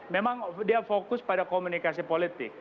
memang dia fokus pada komunikasi politik